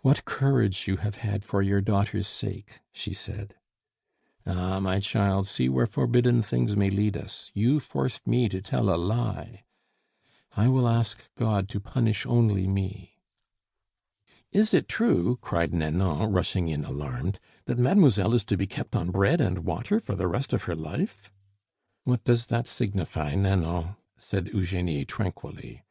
"What courage you have had for your daughter's sake!" she said. "Ah! my child, see where forbidden things may lead us. You forced me to tell a lie." "I will ask God to punish only me." "Is it true," cried Nanon, rushing in alarmed, "that mademoiselle is to be kept on bread and water for the rest of her life?" "What does that signify, Nanon?" said Eugenie tranquilly.